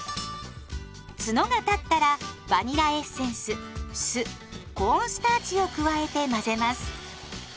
ツノが立ったらバニラエッセンス酢コーンスターチを加えて混ぜます。